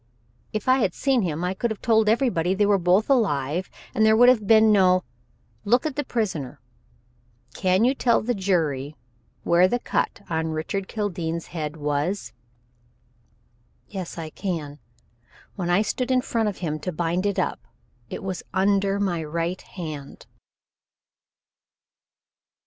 If I had seen him, I could have told everybody they were both alive and there would have been no " "Look at the prisoner. Can you tell the jury where the cut on Richard Kildene's head was?" "Yes, I can. When I stood in front of him to bind it up, it was under my right hand."